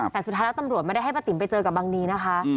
แต่สุดท้ายแล้วตำรวจไม่ได้ให้ป้าติ๋มไปเจอกับบังดีนะคะ